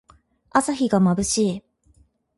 朝日がまぶしい。